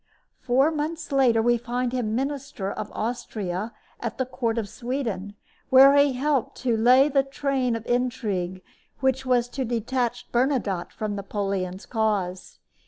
Four months later we find him minister of Austria at the court of Sweden, where he helped to lay the train of intrigue which was to detach Bernadotte from Napoleon's cause.